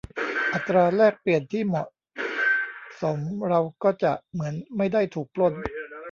อัตราแลกเปลี่ยนที่เหมาะสมเราก็จะเหมือนไม่ได้ถูกปล้น